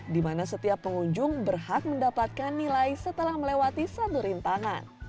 di mana setiap pengunjung berhak mendapatkan nilai setelah melewati satu rintangan